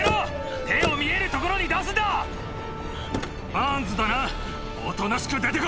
バーンズだなおとなしく出て来い！